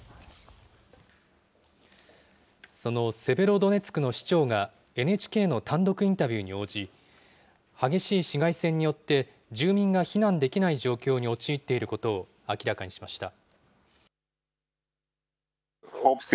そのセベロドネツクの市長が、ＮＨＫの単独インタビューに応じ、激しい市街戦によって、住民が避難できない状況に陥っていることを明らかにしました。